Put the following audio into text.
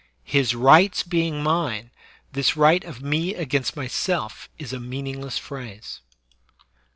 His rights being mine, this right of mc against myself is a meaningless phrase.